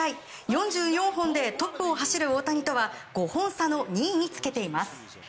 ４４本でトップを走る大谷とは５本差の２位につけています。